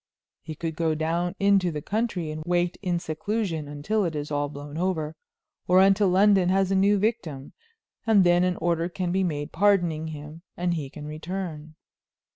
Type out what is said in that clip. He could go down into the country and wait in seclusion until it is all blown over, or until London has a new victim, and then an order can be made pardoning him, and he can return."